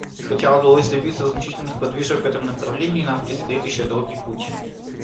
И хотя удалось добиться значительных подвижек в этом направлении, нам предстоит еще долгий путь.